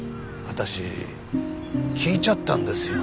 私聞いちゃったんですよ